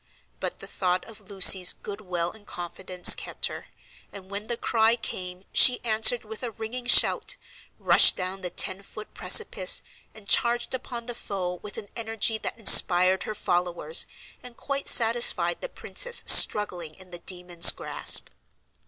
But the thought of Lucy's good will and confidence kept her, and when the cry came she answered with a ringing shout, rushed down the ten foot precipice, and charged upon the foe with an energy that inspired her followers, and quite satisfied the princess struggling in the demon's grasp.